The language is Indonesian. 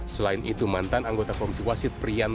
selain itu mantan anggota komisi wasit priyan